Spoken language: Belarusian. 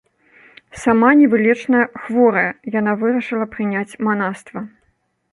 Сама невылечна хворая, яна вырашыла прыняць манаства.